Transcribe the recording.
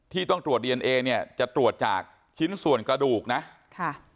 ต้องตรวจดีเอนเอเนี่ยจะตรวจจากชิ้นส่วนกระดูกนะค่ะ